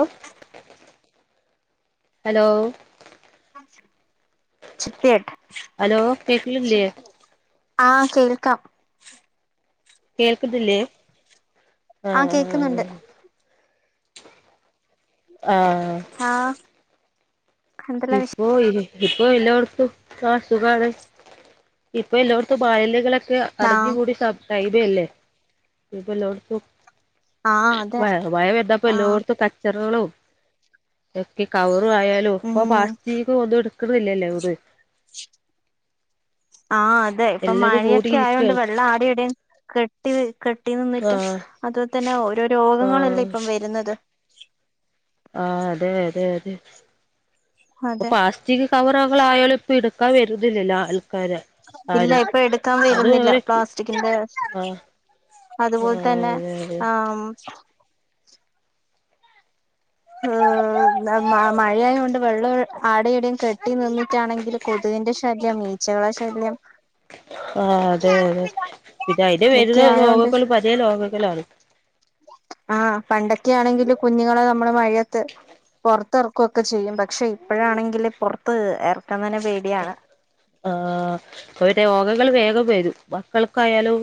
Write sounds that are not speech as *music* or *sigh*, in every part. ഉം ഹലോ ചിപ്യെട്ട് ഹലോ കേക്കണില്ലേ? ആഹ് കേൾക്കാം കേൾക്കുന്നില്ലേ? ആഹ് ആഹ് ആഹ് ആഹ ഇപ്പൊ ഇ ഇപ്പൊ ഇല്ലോടത്തും അസുഖാണ്. ഇപ്പൊ എല്ലോടത്തും മാലിന്യകളൊക്കെ അടഞ്ഞ ആഹ് കൂടി ടൈമ അല്ലേ. ഇപ്പ എല്ലടത്തും ആഹ് അതെ വ മഴ പെയ്തപ്പ ആഹ് എല്ലോടത്തും കച്ചറകളും, കവർ ആയാലും ഇപ്പൊ ഉം പാസ്റ്റിക് ഒന്നും എട്ക്ക്ണ്ല്ല്യല്ലോ എവുടിം ആ അതെ ഇപ്പൊ എല്ലാരും മഴയൊക്കെ ആയൊണ്ട് കൂടിയിരിക്കാണ് വെള്ളം ആടടെയും കെട്ട് ട്ടിൽ കെട്ടി ആ നിന്നിട്ട് അതുപോലെ തന്നെ ഓരോ ആ രോഗങ്ങളല്ലേ ഇപ്പം വരുന്നത് ആ അതെ അതെ അതെ ഇപ്പൊ അതെ പാസ്റ്റ് കവറകളായാലും ഇപ്പ എടുക്കാൻ വരുന്നില്ലല്ലൊ ആൾക്കാര് പിന്നെ ആരും ഇപ്പൊ എടുക്കാൻ അത് വരുന്നില്ല അവരെ പ്ലാസ്റ്റിക്കിന്റെ ആഹ് അതുപോൽ ആഹ് തന്നെ അതെ അതെ ആഹ് മ് ആഹ് മഴയായോണ്ട് വെള്ളം ആടെയിടയും കെട്ടി നിന്നിട്ടാണെങ്കിലും കൊതുകിന്റെ ശല്യം ഈച്ചകളെ ശല്യം ആ അതെ അതെ പിന്നെ അയിന്റെ ഇതൊക്കെ വരുന്ന ആയോണ്ട് ലോഗകൾ പലേ ലോഗങ്ങളാണ് ആഹ് പണ്ടൊക്കെ ആണെങ്കില് കുഞ്ഞുങ്ങളെ നമ്മള് മഴയത്ത് പൊർത്ത് ഇറക്കുകൊക്കെ ചെയ്യും പക്ഷെ ഇപ്പഴാണെങ്കില് പുറത്ത് ഇറക്കുന്നെന്നെ പേടിയാണ് ആഹ രോഗങ്ങൾ വേഗം വരും. മക്കൾക്കായാലും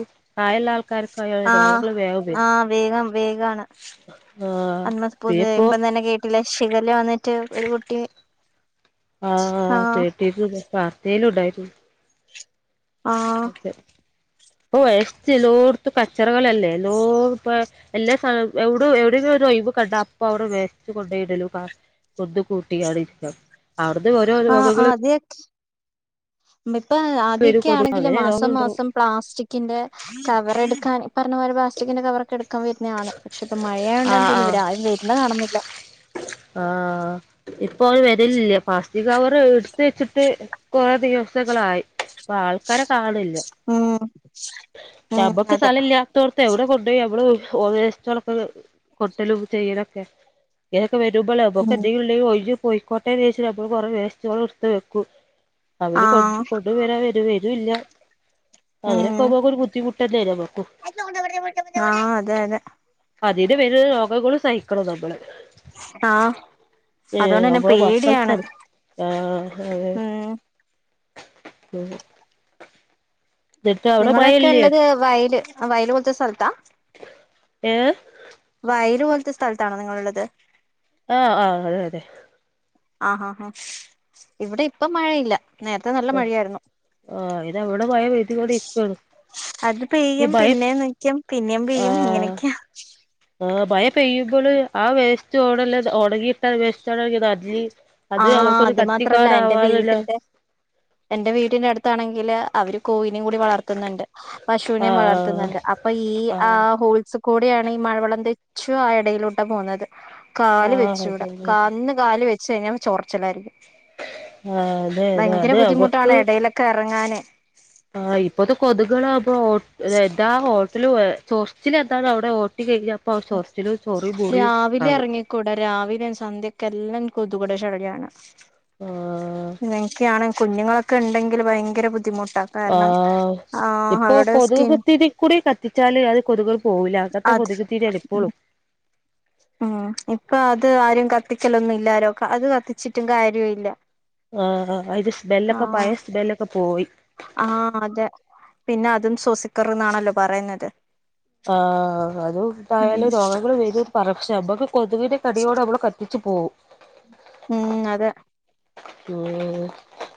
ആയുള്ള ആൾക്കാർക്ക്, ആഹ് ആ വേഗം വേഗാണ് അന്ന് ആഹ് പുത് ഇപ്പോ ഇപ്പം തന്നെ കേട്ടില്ലേ ഷിഗല്ല വന്നിട്ട് ഒരു കുട്ടി ആഹ ആഹ് കേട്ടിരുന്നു വാർത്തയിലും ഉണ്ടായിരുന്നു. ആഹ് ഇപ്പം വേസ്റ്റ് ലോടത്ത് കച്ചറകളല്ലേ എല്ലോട് പ്പാ എല്ലാ സാനും എവിട എവിടെയെങ്കിലും ഒരു ഒഴിവ് കണ്ട അപ്പൊ അവിടെ വേസ്റ്റ് കൊണ്ടോ യിടലും പ്ലാസ്റ്റിക് കൊന്ന് കൂട്ടിയാണ് ഇരിക്കാം അവിടുന്ന് ഓരോ രോഗങ്ങളും *unintelligible* ഇപ്പ വരും ആദ്യൊക്കെ കൊതുക് ആണെങ്കിലും അങ്ങനെ മാസം രോഗണ്ടാവും മാസം, പ്ലാസ്റ്റിക്കിന്റെ കവറെട്ക്കാൻ ഇപറ്ണപോലെ പ്ലാസ്റ്റിക്കിന്റെ കവറ് കെട്ക്കാംവെര്ന്നെ ആന്ന് പക്ഷെ ആഹ് ഇപ്പംമഴയായോണ്ടാന്ന് തോൻന്നു ആഹ് ഇവര് ആരും വെര്ന്ന കാണ്ന്നില്ല ആഹ് ഇപ്പൊ ഓല് വെരലില്യ ഫാസ്റ്റിക് കവറ് ഇട്ത്തെച്ച്ട്ട് കുറ ദിവസങ്ങളായി ഇപ്പൊ ആൾക്കാരെ കാണില്ല ആ അതെ ഇപ്പൊ മഴയൊക്കെ ആയതുകൊണ്ട്. ഞമ്മക് സ്ഥലല്ല്യ ഇത്തോടത്ത് അവിടെ കൊണ്ടോയി അമ്മള് വേസ്റ്റളൊക്കെ കൊട്ടലും ചെയ്യലൊക്കെ ഇങ്ങനൊക്കെ വരുമ്പോൾ ഉം നമുക്കെന്തെങ്കിലും ണ്ടെങ്കിൽ ഒഴി ഞ്ഞ് പൊയിക്കോട്ടേന്ന് വിചാരിച്ചിട് നമ്മൾ കുറെ വേസ്റ്റ്കൾ എടുത്ത് വെക്കും അവര് കൊണ്ട് ആഹ് കൊണ്ട് വരാ വരു വരൂല്ല ഉം ക്കക്ക ഒരു ബുദ്ധിമുട്ടല്ലോക്കും *unintelligible* ആഹ് അതെ അതെ അതിന് വെര്ന രോഗങ്ങളും സഹിക്കണം നമ്മള് ആഹ് ഏഹ് അതുകൊണ്ട് തന്നെ നമ്മളെ പേടിയാണ് മക്കൾക്കാണ് ആഹ് അതെ ഉം *unintelligible* എന്നിട്ട് അവിടെ നിങ്ങളെക്കെ മഴയില്ലേ ഉള്ളത് വയല് ആ വയല് പോല്ത്തെ സ്ഥലത്താ ഏഹ് വയല് പോല്ത്തെ സ്ഥൽത്താണോ നിങ്ങള്ഇള്ളത് ആഹ് ആഹ് അതെ അതെ ആഹ് ഹാ ഹാ ഇവിടെ ഇപ്പംമഴയില്ല നേര്ത്തെ നല്ല അതെ മഴയേര്ന്നു ആഹ് ഐന് അവടെ മയ പെയ്ത് ങ്ങോണ്ട് ഇരിക്കാണ് അത് ഈ പെയ്യും മഴ പിന്നേം നിക്കും പിന്നേം പെയ്യും ആഹ് ഇങ്ങനെക്ക്യാ ആഹ് മഴ പെയ്യുമ്പോള് ആ വേസ്റ്റ് ഓടേല് ഉണങ്ങിയിട്ടാ വേസ്റ്റ് അള്ളി ആഹ് അത്അവക്കൊരു അത് മാത്രല്ല എന്റെ കത്തിക്കാരാവാറില്ല വീട്ടിന്റെ എന്റെ വീടിന്റെ അടുത്താണെങ്കില് അവര് കോയിനിം കൂടി വളർത്ത്ന്ന്ണ്ട് ആഹ് പശുവിനെംവളർത്ത്ന്ന്ണ്ട് അപ്പ ഈ ആഹ് ഹോൾസ് കൂടിയാണ് ഈ മഴവെള്ളം തെച്ചു ആഹ് എടയിലൂടെ പോവുന്നത് ആഹ് കാല് ആഹ് വെച്ചൂട അതെ അതെ കാന്ന് കാല് വെച്ച് കഴിഞ്ഞാ ചൊറിച്ചിലായിരിക്കും ആഹ് അതെ അതെ ഭയങ്കര അത് ബുദ്ധിമുട്ടാണ് അവക്ക് ഇടയിലൊക്ക ക്കിറങ്ങണ് ആഹ് ഇപ്പത് കൊതുകളാവുമ്പൊ ഓട്ട് ലെന്താ ഹോട്ടല് വേട്ച്ചോ പിന്നെ എന്താണ് അവിടെ ഓത്തി ക ഴികിയെപ്പം ചൊറിച്ചിലും ചൊറി മുറിം ആവും കുടെ രാവിലെം സന്ധ്യക്കെല്ലാം കൊതുകൊടെ ശഴ്ല്യാണ് ആഹ് ഇങ്ങനെക്കെയാണ് കുഞ്ഞുങ്ങളൊക്കെ ഇണ്ടെങ്കില് ഭയങ്കര ബുദ്ധിമുട്ടാ കാരണം ആഹ് ആ ഇപ്പൊ അവരുടെ സ്കിൻ കൊതുക് ഇത്തിരി കുടീകത്തിച്ചാല് അത് കൊതുകുകൾ പോവൂല അകത്തെ അത് കൊതുക് തിരിയാണ് ഇപ്പോളും ഉം ഇപ്പൊ അത് ആരും കത്തിക്കലൊന്നും ഇല്ലാരോ അത് കത്തിച്ചിട്ടും കാര്യ ഇല്ല ആഹ് അ അത് സ്മെലൊക്കെ പയേ സ്മെല്ലൊക്കെ പോയി ആഹ് അതെ പിന്നെ അതും ശ്വസിക്കറ്ന്ന് ആണല്ലോ പറയ്ന്നത് ആഹ് ഉം അതുംന്തായാലും രോഗങ്ങൾ വരും പറക്ഷ അമ്മക്ക് കൊതുവിനെ തടിയോടമ്മള് കത്തിച്ച് പോവും ഉം അതേയ് രോ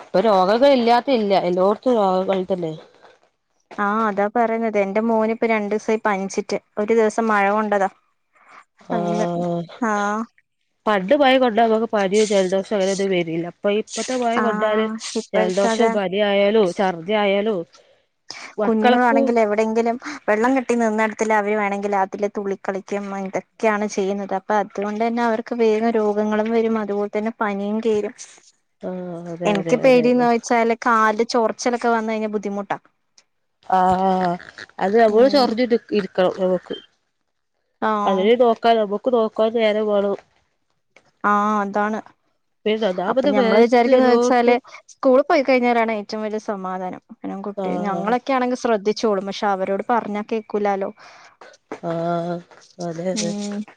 ഇപ്പൊ രോഗങ്ങൾ ഇല്യാത്ത ഇല്യ എല്ലോട്ത്തും രോഗങ്ങൾ തന്നെ ആഹ് അതാ പറയ്ന്നത് എന്റെ മോന് ഇപ്പരണ്ടൂസായി പൻച്ച്ട്ട് ഒരു ദിവസം മഴ കൊണ്ടതാ അന്ന് ആഹ് ആഹ് പണ്ട് മഴ കൊണ്ട നമുക്ക് പനിയോ ജലദോഷം അങ്ങനെ ഒന്നും വരിയില്ല പൊയിപ്പത്തെ മയ കൊണ്ടാല് ആഹ് ഇപ്പോഴത്തത് ജൽദോഷവും പനി ആയാലും ഛർദി ആയാലും കുഞ്ഞുങ്ങൾ മക്കൾക്ക് ആണെങ്കിൽ എവിടെയെങ്കിലും വെള്ളം കെട്ടി നിന്നിടുത്തിൽ അവര് വേണെങ്കിൽ അതില് തുള്ളളിക്കളിക്കും ഒക്കെയാണ് ചെയ്യുന്നത് അപ്പം അതുകൊണ്ട് തന്നെ അവർക്ക് വേഗം രോഗങ്ങളും വരും അതുപോലെ തന്നെ പനിയും കയറും ആഹ് അതെ എൻക്ക് അതെ അതെ പേടി ന്ന് അതെ വെച്ചാല് കാല് ചൊറിച്ചലൊക്കെ വന്ന്കഴിഞ്ഞ ബുദ്ധിമുട്ടാ ആഹ് അത് നമ്മള് ഉം ചൊറിഞ്ഞു ഇരിക്കണം നമുക്ക് ആഹ് അതിനിംനോക്കാൻ നമുക്ക് നോക്കാൻ നേരംവേണം ആഹ് അതാണ് അപ്പൊ ഒന്നാമത് ഞമ്മള് വേസ്റ്റ് വിചാരിക്ക്ന്ന വെച്ചാല് എല്ലോടത്തും സ്കൂള്പ്പോയി കയിഞ്ഞാലാണ് ഏറ്റവും വല്യ സമാധാനം പിന്നെ ഓൻകുട്ടി ആഹ് ഞങ്ങളൊക്കെ ആണങ്ക്ശ്രദ്ധിച് ച്ചോളും, പക്ഷെ, അവരോട് പറഞ്ഞാ കേക്കൂലാലോ. ആഹ് ഉം -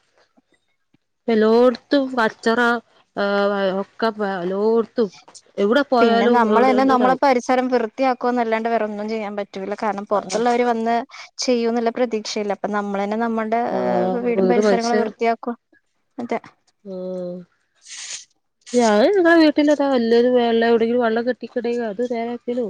എല്ലോട്ത്തും വറ്റ്ണ ആഹ് ക്ക വാലോടുത്തും എവിടെ പിന്നെ പോയാലും നമ്മൾ എവിടെ തന്നെ നമ്മളെ എന്തോണ്ടാവും പരിസരം വൃത്തിയാക്കും എന്നല്ലാണ്ട് വേറെ ഒന്നും ചെയ്യാൻ പറ്റൂല്ല കാരണം ആഹ് പുറത്തുള്ളവർ വന്ന് ചെയ്യും എന്നുള്ള പ്രതീക്ഷയില്ല അപ്പൊ നമ്മൾ തന്നെ നമ്മളുടെ ആഹ് വീടും വീട് പരിസരങ്ങളും പരിസരം വൃത്തിയാക്കും അതെ ഉം ഞാൻ നിങ്ങളാ വീട്ടിൽതാ വല്ലത് വെള്ളം എവിടെങ്കിലും വെള്ളം കെട്ടിക്കണേണ്ടങ്കി അത് നേരെയാക്കലും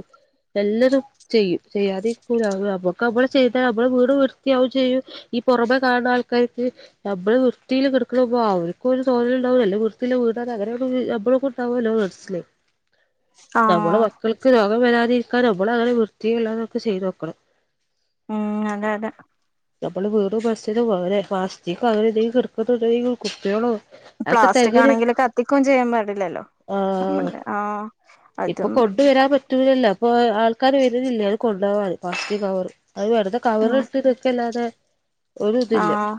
എല്ലതും ചെയ്യും. ചെയ്യാതിരിക്കൂല, അത് നമ്മക്ക് നമ്മള് ചെയ്താ, നമ്മള വീട് വൃത്തിയാകും ചെയ്യും- ഈ, പുറമെ കാണ് ണ ആൾക്കാർക്ക്, നമ്മള് വൃത്തിൽ കിടുക്കണ്, *unintelligible* ഒരു തോന്നലുണ്ടാവൊലോ നല്ല വൃത്തി ഉള്ള വീട് ആണ് അങ്ങന നമ്മളും കൊടുത്തമതി *inaudible* നമ്മള ആഹ് മക്കൾക്ക് രോഗം വരാതിരിക്കാൻ, നമ്മൾ അങ്ങനെ വൃത്തി ള്ളതൊക്ക ചെയ്ത് വെക്കണം. ഉം അതെ അതെ നമ്മള് വീറും *unintelligible* പളാസ്റ്റിക്ക് അവരെ എന്തെങ്കിലും കിക്കണ്ടെങ്കിൽ *unintelligible* പ്ലാസ്റ്റിക് ആണെങ്കിൽ, കത്തിക്കും ചെയ്യാൻ പാടില്ലല്ലോ? ആഹ് നമ്മണ്ട് ആഹ്. ഇപ്പൊ, അതും കൊണ്ടുവരാൻ പറ്റൂല ല്ലോ. പ്പൊ, ആൾക്കാര് വരുന്നില്ലേ- അത് കൊണ്ടോവാന്. *unintelligible* ആഹ് കവറ്ട്ട് തൊക്കെ ല്ലാതെ, ഒരു, തില്ല. ആഹ്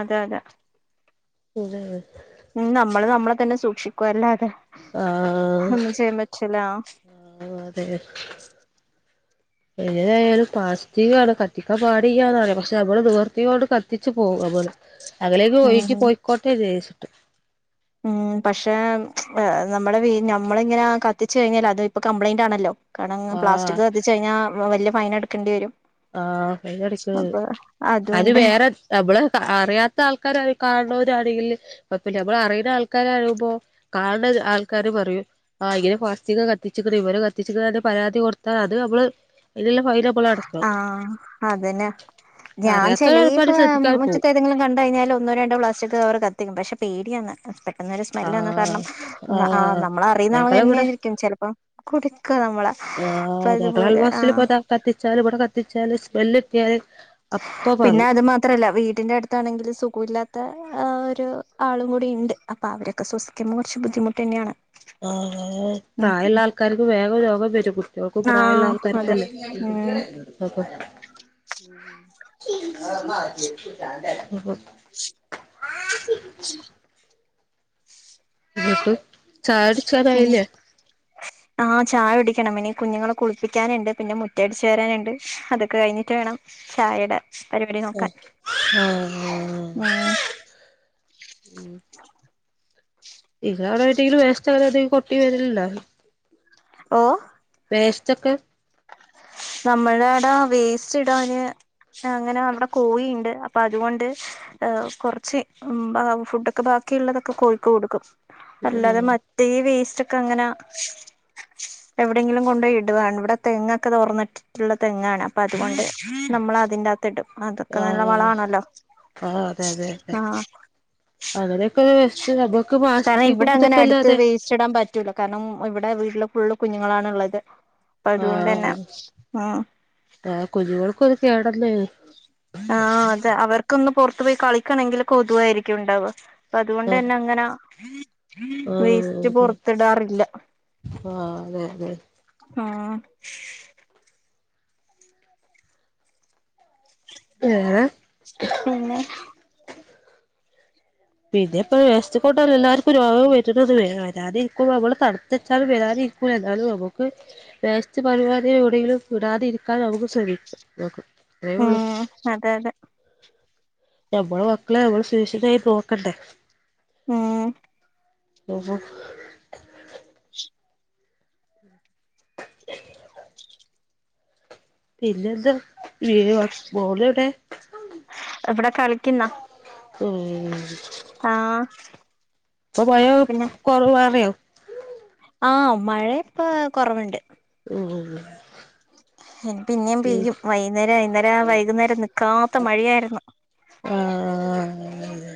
അതെ അതെ *unintelligible* ഉം, നമ്മള് നമ്മളെ തന്നെ സൂക്ഷിക്കുവ, അല്ലാതെ, ഒന്നും ചെയ്യാൻ പറ്റില്ലാ. ആ ആ അതെ എങ്ങനെ യായാലും പ്ലാസ്റ്റിക്ടെ കത്ത് ത്തിക്കാൻ പാടിയ്യ ന്നാണ്. പക്ഷെ നമ്മള് നിവൃത്തിഓണ്ട് കത്തിച്ചു പോകും. നമ്മള്, അകലേക്ക് ഉം ഒഴികി പോയി. കോട്ടേ ജേഷ്ട്ട്. ഉം, പക്ഷേ, നമ്മള് വീ, നമ്മള് ങ്ങനെ കത്തിച് കഴിഞ്ഞാൽ, അത്, ഇപ്പൊ- കമ്പ്ലൈന്റ് ആണല്ലോ? കാണം ആഹ് പ്ലാസ്റ്റിക് കത്തിച്ചു കഴിഞ്ഞാ വലിയ ഫൈൻ അടക്കേണ്ടി വരും ആഹ്അയിന്റെക്ക്. അപ്പൊ അത് അതുകൊണ്ട് വേറെ നമ്മള്, അറിയാത്ത ആൾക്കാരരിം കാണ് നോര് ണെങ്കില് കുഴപ്പല്യ. നമ്മള് അറിണ ആൾക്കാരാവുമ്പോ- കാണണ ആൾക്കാര് പറയൂ- ആഹ്, ഇങ്ങന പാസ്റ്റിക് കത്തിച്ചിക്ണ്. ഇവര് കത്തിച്ചു ന്നതിന്റെ പരാതി കൊടുത്താൽ, അത് നമ്മള് ഇല്ല ഫൈന്.. ആ., അതന്നെ ഞാൻ അറിയാത്തോരാൾക്കാര് ശ്രദ്ധിക്കാതെ ചെലീപ്പമുച്ച് പോവും എന്തെങ്കിലും കണ്ട് കഴിഞ്ഞാൽ ഒന്നോ, രണ്ടോ, പ്ലാസ്റ്റിക് അവർ കത്തിക്കും. പക്ഷ, പേടിയാന്ന്. പെട്ടെന്ന് ഒരു സ്മെല്ല് വന്ന ആഹ് കാരണം. മ് ആ ആഹ് നമ്മളറിയുന്ന ആള് ഞങ്ങളവടെ തന്നെയായിരിക്കും ചിലപ്പം കുടിക്ക നമ്മളെ, ആഹ് പ്പയ തുപോലെ. ഞങ്ങളയൽവാസില് ആഹ്. ഇപ്പതാ കത്തിച്ചാല്, ഇവിടെ കത്തിച്ചാല്, സ്മെല്ലെത്തിയാല്- അപ്പ പിന്നെ, പറയും അത് മാത്രല്ല. വീടിന്റെ അടുത്ത്- ണെങ്കിൽ, സുകുല്ലാത്ത ഒരു ആളും കൂടി ണ്ട്. അപ്പൊ, അവരൊക്കെ ശ്വസിക്കുമ്പോൾ, കുറച്ച് ബുദ്ധിമുട്ട് ന്നെയാണ്. ആ ആ അ പ്രായള്ള ആൾക്കാർക്ക് വേഗ രോഗം പെരുകും ഓൾക്ക്, പ്രായള്ള ആഹ് ആൾക്കാര് ക്ക് അതെ അല്ലെ. ഉം *inaudible* *unintelligible* *inaudible* ഉം.. ചായുടിച്ചാനായില്ലേ *inaudible* ആ ചായ കുടിക്കണം പിന്നെ കുഞ്ഞുങ്ങളെ കുളിപ്പിക്കാനുണ്ട് പിന്നെ മുറ്റടിച്ചു വരാനുണ്ട് അതൊക്കെ കഴിഞ്ഞിട്ട് വേണം ചായയിടാൻ *unintelligible* നോക്കാൻ, ആഹ് ഉം - ഇത് അവിടെ *inaudible* കൊട്ടി വരലുണ്ടോ ഓഹ്.. വേസ്റ്റ് ക്കെ നമ്മളേടെ വേസ്റ്റ് ടാന് അങ്ങനെ നമ്മടെ കോഴിയിണ്ട്, അപ്പൊ അതുകൊണ്ട് ആ കൊറച്ച്, ഉം ആ ഫുഡൊക്കെ ബാക്കിയുള്ളതൊക്കെ കോഴിക്ക് കൊടുക്കും. അല്ലാതെ ഉം മ തേ വേസ്റ്റൊക്കെ അങ്ങന എവിടെങ്കിലും കൊണ്ടോയി ഇടുവാണ്. ഇവിടെ തെങ്ങൊക്കെ തുറന്നിട്ടിട്ടുള്ള തെങ്ങാണ്. അപ്പ, അതുകൊണ്ട് നമ്മൾ അതിന്റെ, അത്തെ. ത്തിടും, അതൊക്കെ നല്ല ആഹ് മണമാണല്ലോ? ആഹ്. അങ്ങനക്ക ഒരു വസ്റ്റ്. നമ്മുക്ക് പാ സ്റ്റിക് *unintelligible* അല്ലാതെ- ച്ചിടാൻ പറ്റൂല. കാരണം, ഇവിടെ വീട്ൽ ഫുള്ള് കുഞ്ഞുങ്ങളാ ണ്ള്ളത്. ആഹ്, ആഹ്, കുഞ്ഞോൾക് ഒരു കേടല്ലേ? ആ അതെ അവർക്കൊന്ന് പുറത്തു പോയി കളിക്കണങ്കിൽ കൊതുവായിരിക്കും ഇണ്ടാവ. പ്പതുകൊണ്ട് ആഹ് ന്ന അങ്ങന- ആഹ് വേസ്റ്റ്, അതെ പൊറ് ത്തിടാറില്ല. ആഹ് അതെ അതെ ആഹ് ഏഹ് പിന്നെ? പിന്നെ ഇപ്പ വേസ്റ്റ് *unintelligible* എല്ലാർക്കും രോഗം വരുന്നത് വരും. വരാതിരിക്കു *unintelligible* നമ്മള് തടുത്തു വച്ചാലും വരാതിരി ഏതാലും നമുക്ക് വേസ്റ്റ് പരിപാടി എടെയെങ്കിലും ഇടാതിരിക്കാൻ നമുക്ക് ശ്രമിക്കാം നോക്കാം. ഉം അതെ അതേ. നമ്മളെ മക്കളെ നമ്മള് സുരക്ഷിതായി നോക്കണ്ടേ ഉം ഓഹോ *inaudible* പിന്നെന്താ *unintelligible* മോളെവിടെ ഇവിടെ കളിക്കുന്ന ഉം ആഹ് ഇപ്പൊ മഴ കുറവായോ ആ മഴ ഇപ്പൊ കുറവുണ്ട് ഉം ഇനി പിന്നേം ഉം പെയ്യും വൈന്നേര വൈന്നേരം വൈകുന്നേരം നിക്കാത്ത മഴിയായിരുന്നു. ആഹ്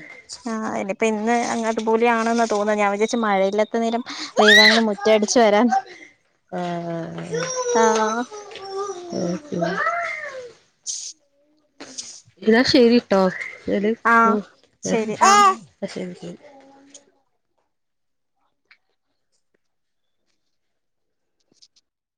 ആ ഇനിപ്പൊ ഇന്ന് അങ്ങനത്തെ പോലെയാണെന്ന് തോന്നുവാ ഞാൻ വിചാരിച്ചു മഴയില്ല *unintelligible* നേരം വേഗാങ്ങ് മുറ്റ അടിച്ചു വരാൻ ആഹ് ഉം ഉം *inaudible* എന്നാ ശരിട്ടോ *inaudible* ആ ശരി ആഹ് ശരി ശരി